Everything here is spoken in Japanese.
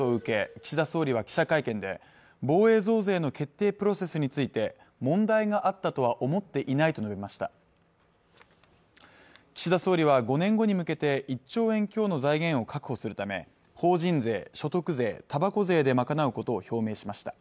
岸田総理は記者会見で防衛増税の決定プロセスについて問題があったとは思っていないと述べました岸田総理は５年後に向けて１兆円強の財源を確保するため法人税・所得税・たばこ税で賄うことを表明しました